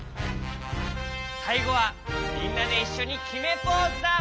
さいごはみんなでいっしょにきめポーズだ！